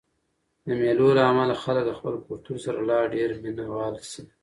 د مېلو له امله خلک د خپل کلتور سره لا ډېر مینه وال سي.